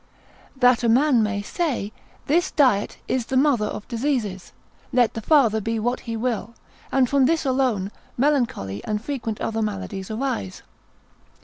That a man may say, this diet is the mother of diseases, let the father be what he will, and from this alone, melancholy and frequent other maladies arise.